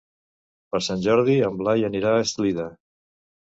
Per Sant Jordi en Blai anirà a Eslida.